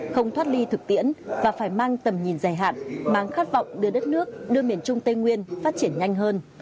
không thoát ly thực tiễn và phải mang tầm nhìn dài hạn mang khát vọng đưa đất nước đưa miền trung tây nguyên phát triển nhanh hơn